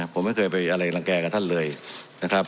ผมไม่เคยไปอะไรรังแก่กับท่านเลยนะครับ